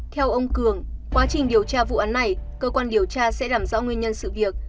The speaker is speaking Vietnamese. theo ông cường quá trình điều tra vụ án này cơ quan điều tra sẽ làm rõ nguyên nhân sự việc